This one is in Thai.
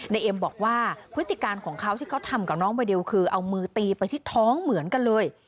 เอ็มบอกว่าพฤติการของเขาที่เขาทำกับน้องใบเดลคือเอามือตีไปที่ท้องเหมือนกันเลย